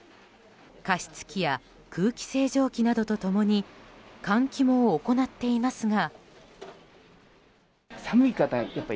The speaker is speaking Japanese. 加湿器や空気清浄機などと共に換気も行っていますが。